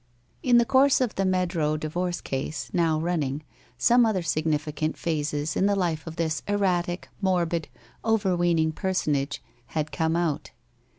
In the course of the Meadrow divorce case, now running, some other significant phases in the life of this erratic, morbid, overweening personage had come out.